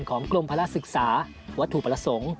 กรมภาระศึกษาวัตถุประสงค์